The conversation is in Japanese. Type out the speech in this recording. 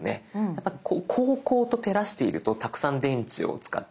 やっぱこうこうと照らしているとたくさん電池を使っています。